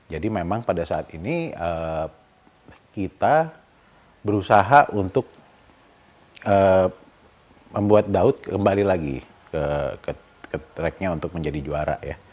jadi memang pada saat ini kita berusaha untuk membuat daud kembali lagi ke tracknya untuk menjadi juara